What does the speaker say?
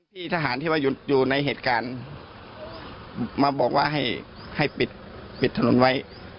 ที่ทหารที่ว่าอยู่ในเหตุการณ์มาบอกว่าให้ให้ปิดปิดถนนไว้